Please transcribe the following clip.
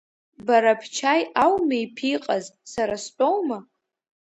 Бара бчаи ауми иԥиҟаз, сара стәоума?